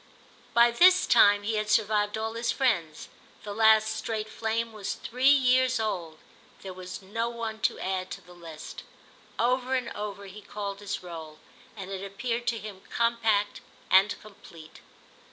By this time he had survived all his friends; the last straight flame was three years old, there was no one to add to the list. Over and over he called his roll, and it appeared to him compact and complete.